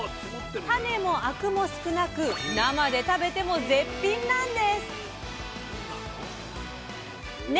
種もアクも少なく生で食べても絶品なんです！ね？